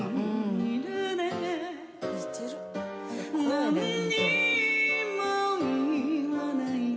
「何も言わないで」